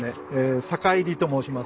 坂入と申します。